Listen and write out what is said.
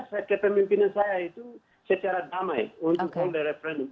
saya ke pemimpinan saya itu secara damai untuk menangkap referendum